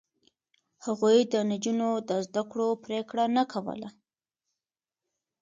هغوی د نجونو د زده کړو پرېکړه نه کوله.